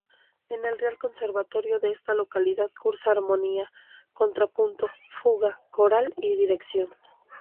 En el Real Conservatorio de esta localidad cursa armonía, contrapunto, fuga, coral y dirección.